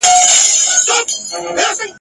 جهاني خیال یې زنګولم چي غزل مي لیکل ..